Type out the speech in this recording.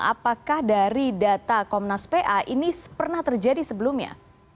apakah dari data komnas pa ini pernah terjadi sebelumnya